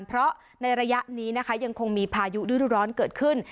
เพราะในระยะนี้นะคะยังคงมีพายุฤดูร้อนเกิดขึ้น